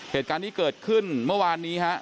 เหตุการณ์นี้เกิดขึ้นเมื่อวานนี้ครับ